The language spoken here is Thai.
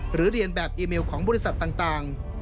เรียนแบบอีเมลของบริษัทต่าง